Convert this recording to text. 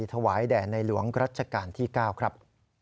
ถวายแด่ในหลวงรัชกาลที่๙ครับ